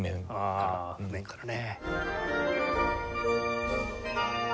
ああ譜面からね。